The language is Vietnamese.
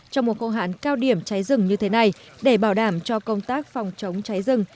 trong mùa khô hạn cao điểm cháy rừng như thế này để bảo đảm cho công tác phòng chống cháy rừng